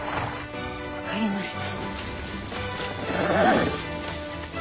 分かりました。